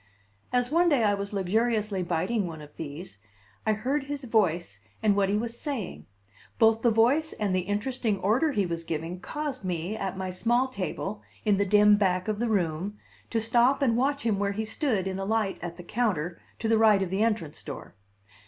As, one day, I was luxuriously biting one of these, I heard his voice and what he was saying. Both the voice and the interesting order he was giving caused me, at my small table, in the dim back of the room, to stop and watch him where he stood in the light at the counter to the right of the entrance door.